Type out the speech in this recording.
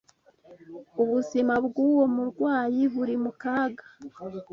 Ubuzima bwuwo murwayi buri mu kaga.